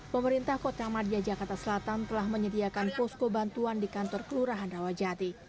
pemerintah kota madia jakarta selatan telah menyediakan posko bantuan di kantor kelurahan rawajati